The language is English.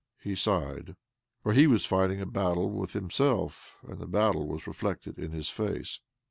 He sighed, for he was fighting' a battle with himself, and the battle was reflected in his face.